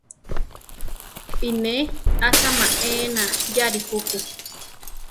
I ne achama ena; yari juku.